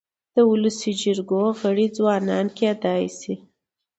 د ولسي جرګو غړي ځوانان کيدای سي.